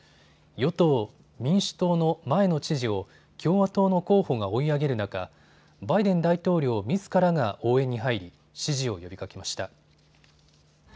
与党民主党の前の知事を共和党の候補が追い上げる中、バイデン大統領みずからが応援に入り支持を呼びかけました。